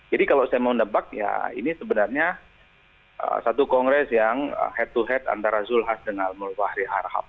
jadi kalau saya mau nebak ya ini sebenarnya satu kongres yang head to head antara zulhaz dengan molfahari harahab